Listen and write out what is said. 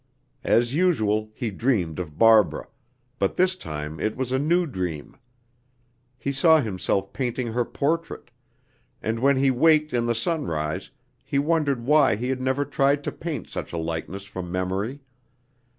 As usual he dreamed of Barbara, but this time it was a new dream. He saw himself painting her portrait; and when he waked in the sunrise he wondered why he had never tried to paint such a likeness from memory.